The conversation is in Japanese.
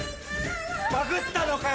バグったのかよ